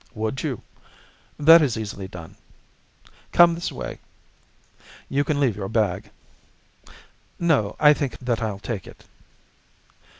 "Would you? That is easily done. Come this way. You can leave your bag." "No, I think that I'll take it."